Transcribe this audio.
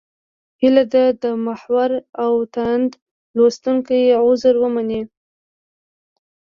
هیله ده د محور او تاند لوستونکي عذر ومني.